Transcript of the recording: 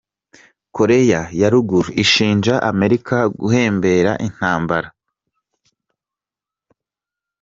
Korea ya ruguru ishinja Amerika guhembera intambara.